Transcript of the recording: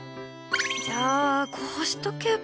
じゃあこうしておけば。